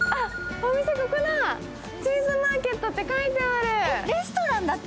お店ここだ、チーズマーケットって書いてある。